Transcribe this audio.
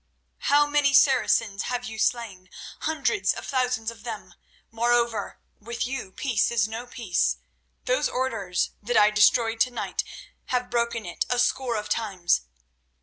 How many Saracens have you slain? Hundreds of thousands of them. Moreover, with you peace is no peace. Those Orders that I destroyed tonight have broken it a score of times.